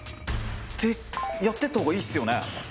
やってったほうがいいっすよね。